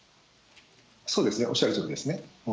そうですね、おっしゃるとおりですね。